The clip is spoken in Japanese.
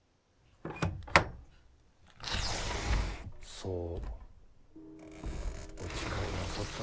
そうお誓いなさったのですね